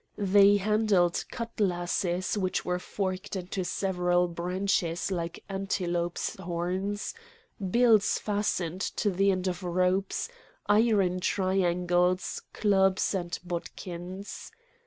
They handled cutlasses which were forked into several branches like antelopes' horns, bills fastened to the ends of ropes, iron triangles, clubs and bodkins.